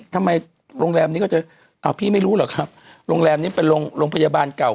โรงแรมนี้ก็จะอ้าวพี่ไม่รู้เหรอครับโรงแรมนี้เป็นโรงพยาบาลเก่า